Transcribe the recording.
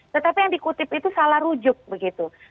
tetapi yang dikutip itu salah rujuk begitu